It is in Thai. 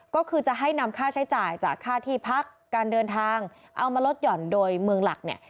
ก็คือจะให้นำค่าใช้จ่ายจากค่าที่พักการเดินทางเอามาลดหย่อนโดยเมืองหลักเนี่ย